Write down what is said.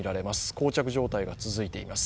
こう着状態が続いています。